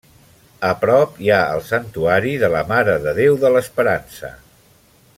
A prop hi ha el Santuari de la Mare de Déu de l'Esperança.